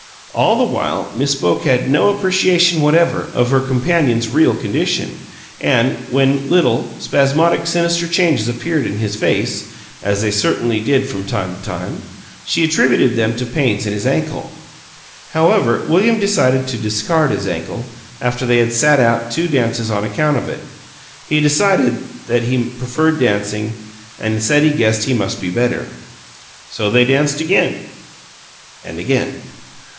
All the while, Miss Boke had no appreciation whatever of her companion's real condition, and, when little, spasmodic, sinister changes appeared in his face (as they certainly did from time to time) she attributed them to pains in his ankle. However, William decided to discard his ankle, after they had "sat out" two dances on account of it. He decided that he preferred dancing, and said he guessed he must be better. So they danced again and again.